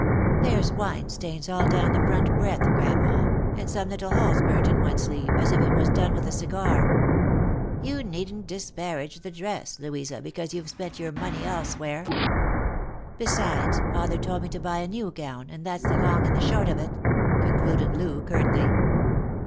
" There's wine stains all down the front breadth, grandma, and some little holes burnt in one sleeve, as if it was done with a cigar." "You need'nt disparage the dress, Louisa, because you've spent your money elsewhere." " Besides, father told me to buy a new gown, and that's the long and the short of it," concluded Loo curtly.